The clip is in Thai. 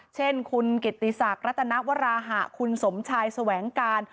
เช่นคุณกิติศักดิ์รัตนวราหะคุณสมชายแสวงการ